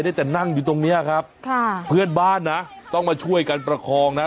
ได้แต่นั่งอยู่ตรงเนี้ยครับค่ะเพื่อนบ้านนะต้องมาช่วยกันประคองนะ